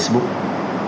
các bạn có thể nhìn thấy